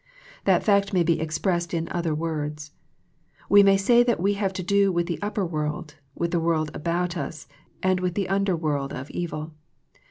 That fact may be expressed in other words. We may say that we have to do with the upper world, with the world about us, and with the under world of evil.